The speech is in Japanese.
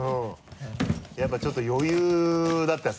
やっぱちょっと余裕だったよ